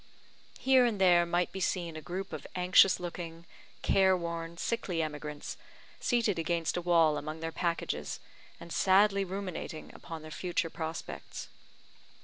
Here and there might be seen a group of anxious looking, care worn, sickly emigrants, seated against a wall among their packages, and sadly ruminating upon their future prospects.